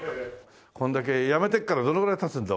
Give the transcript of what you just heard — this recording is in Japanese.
これだけ辞めてからどのぐらい経つんだ？